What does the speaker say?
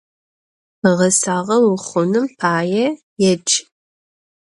Гъэсагъэ ухъуным пае едж!